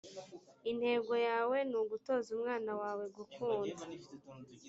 intego yawe ni ugutoza umwana wawe gukunda